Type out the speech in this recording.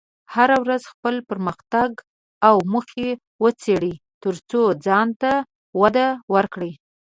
هره ورځ خپل پرمختګ او موخې وڅېړه، ترڅو ځان ته وده ورکړې.